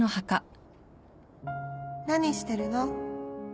何してるの？